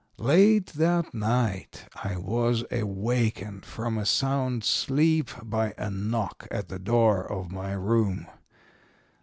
"Late that night I was awakened from a sound sleep by a knock at the door of my room.